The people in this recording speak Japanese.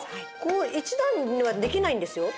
１段にはできないんですよ？